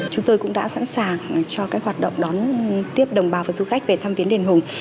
chúng tôi cũng đã sẵn sàng cho các hoạt động đón tiếp đồng bào và du khách về thăm viến đền hùng